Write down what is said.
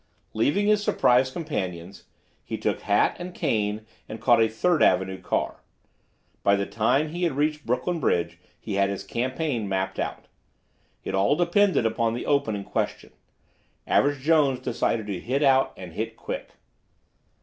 Leaving his surprised companions, he took hat and cane and caught a Third Avenue car. By the time he had reached Brooklyn Bridge he had his campaign mapped out. It all depended upon the opening question. Average Jones decided to hit out and hit quick.